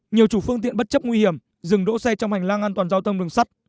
nhiều chủ phương tiện bất chấp nguy hiểm dừng đỗ xe trong hành lang an toàn giao thông đường sắt